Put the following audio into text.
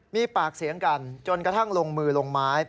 มีปากเสียงกันจนกระทั่งลงมือลงไม้